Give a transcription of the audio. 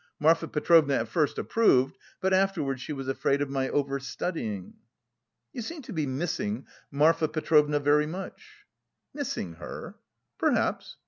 Marfa Petrovna at first approved, but afterwards she was afraid of my over studying." "You seem to be missing Marfa Petrovna very much?" "Missing her? Perhaps.